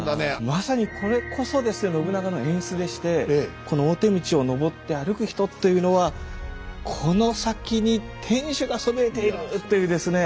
まさにこれこそ信長の演出でしてこの大手道をのぼって歩く人っていうのはこの先に天主がそびえているというですね